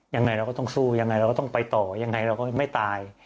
ยังไงเราก็ต้องสู้ยังไงเราก็ต้องไปต่อยังไงเราก็ไม่ตาย